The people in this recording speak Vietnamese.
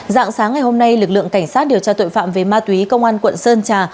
dạng sáng ngày hôm nay lực lượng cảnh sát điều tra tội phạm về ma túy công an quận sơn trà